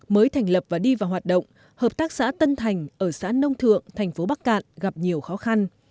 mới thành lập và đi vào hoạt động hợp tác xã tân thành ở xã nông thượng thành phố bắc cạn gặp nhiều khó khăn